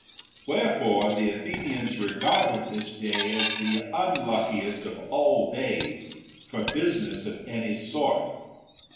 Where fore the Athenians regard this day as the unluckiest of all days for business of any sort.